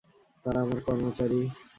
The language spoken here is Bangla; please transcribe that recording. তারা আমার কর্মচারী।